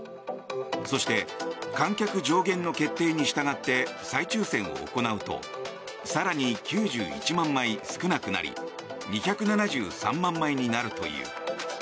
そして観客上限の決定に従って再抽選を行うと更に９１万枚少なくなり２７３万枚になるという。